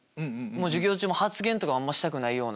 授業中も発言とかあんましたくない。